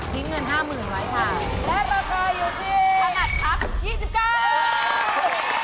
แม่เป็นเค้าอยู่ที่มันห่ามงัดคลับ๒๙